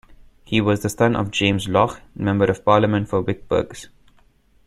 He was the son of James Loch, Member of Parliament for Wick Burghs.